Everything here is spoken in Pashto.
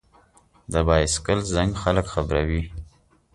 د بایسکل زنګ خلک خبروي.